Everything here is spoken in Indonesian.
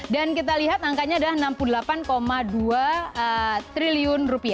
dan kita lihat angkanya adalah rp enam puluh delapan dua triliun